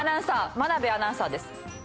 真鍋アナウンサーです。